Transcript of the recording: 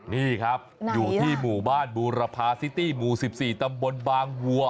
นี่ครับอยู่ที่หมู่บ้านบูรพาซิตี้หมู่๑๔ตำบลบางวัว